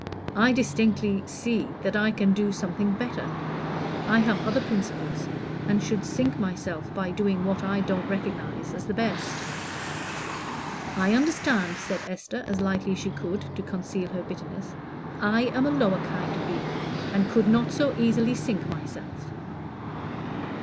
I distinctly see that I can do something better. I have other principles, and should sink myself by doing what I don't recognize as the best." "I understand," said Esther, as lightly as she could, to conceal her bitterness. "I am a lower kind of being, and could not so easily sink myself."